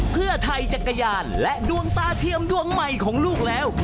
เพื่อไทยจักรยานและดวงตาเทียมดวงใหม่ของลูกแล้ว